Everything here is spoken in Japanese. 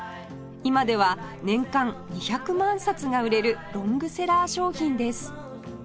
今では年間２００万冊が売れるロングセラー商品です